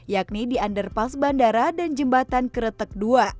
yakni di anderpas bandara dan jembatan keretek dua